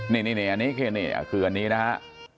นี่อันนี้คืออันนี้นะฮะ